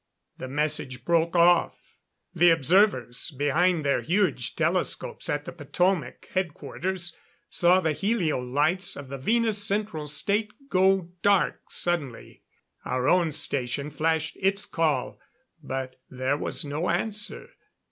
The message broke off. The observers, behind their huge telescopes at the Potomac Headquarters, saw the helio lights of the Venus Central State go dark suddenly. Our own station flashed its call, but there was no answer.